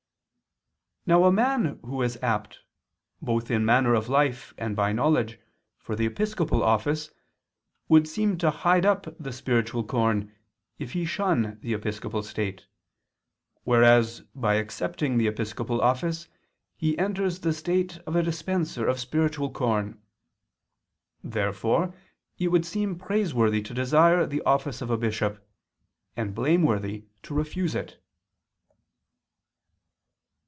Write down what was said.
Now a man who is apt, both in manner of life and by knowledge, for the episcopal office, would seem to hide up the spiritual corn, if he shun the episcopal state, whereas by accepting the episcopal office he enters the state of a dispenser of spiritual corn. Therefore it would seem praiseworthy to desire the office of a bishop, and blameworthy to refuse it.